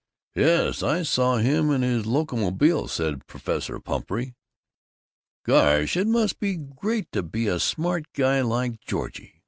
"Yes, I saw him in his Locomobile!" said Professor Pumphrey. "Gosh, it must be great to be a smart guy like Georgie!"